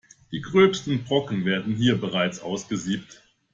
Die gröbsten Brocken werden hier bereits ausgesiebt.